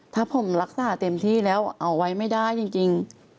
ถ้าผมรักษาเต็มที่แล้วเอาไว้ไม่ได้จริง